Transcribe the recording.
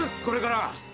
これから。